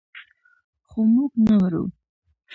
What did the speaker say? خو موږ نه مرو.